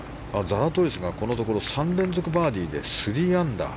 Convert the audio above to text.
ザラトリスがこのところ３連続バーディーで３アンダー。